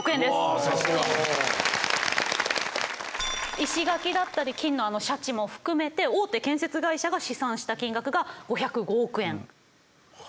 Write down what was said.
石垣だったり金のあのシャチも含めて大手建設会社が試算した金額が５０５億円。